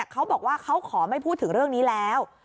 เขาบอกว่าเขาขอไม่พูดถึงเรื่องนี้แล้ว